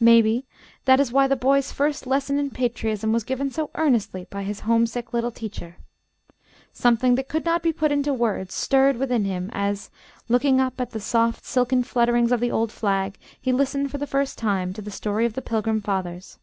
Maybe that is why the boy's first lesson in patriotism was given so earnestly by his homesick little teacher. Something that could not be put into words stirred within him, as, looking up at the soft silken flutterings of the old flag, he listened for the first time to the story of the Pilgrim Fathers.